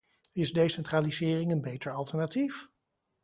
Is decentralisering een beter alternatief?